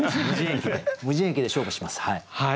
「無人駅」で勝負します。